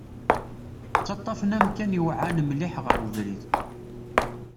Ttaṭṭafen amkan iweɛɛan mliḥ ɣer ubrid.